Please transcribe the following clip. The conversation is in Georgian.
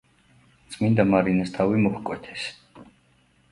წმინდა მარინეს თავი მოჰკვეთეს.